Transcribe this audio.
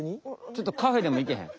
ちょっとカフェでもいけへん？